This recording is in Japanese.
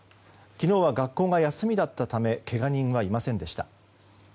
昨日は学校が休みだったためけが人はいませんでした。